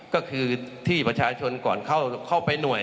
ก็คือที่ประชาชนก่อนเข้าไปหน่วย